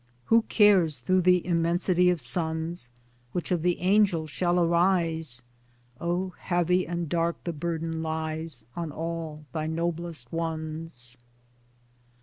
Who cares through the immensity of suns? Which of the angels shall arise? Oh ! heavy and dark the burden lies On all thy noblest ones.